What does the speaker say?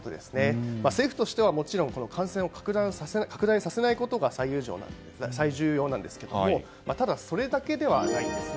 政府としては、もちろん感染を拡大させないことが最重要なんですけどもただ、それだけではないんです。